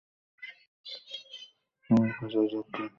তোমাকে খোঁজার ঝক্কি থেকে তুমি নিজেই আমাকে রেহাই দিলে।